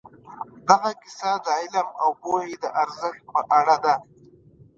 دغه کیسه د علم او پوهې د ارزښت په اړه ده.